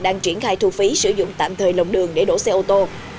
đang triển khai thu phí sử dụng tạm thời lồng đường để đổ xe ô tô